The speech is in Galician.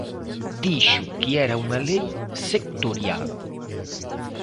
Dixo que era unha lei sectorial.